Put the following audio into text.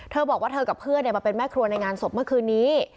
เธอบอกว่าเธอกับเพื่อนมาเป็นแม่ครัวในงานศพเมื่อคืนนี้